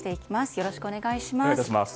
よろしくお願いします。